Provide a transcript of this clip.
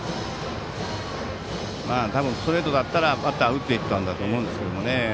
多分、ストレートだったらバッター打っていったと思うんですけどね。